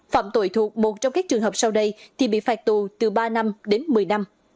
phạm tội thuộc một trong các trường hợp sau đây thì bị phạt tù từ ba năm đến một mươi năm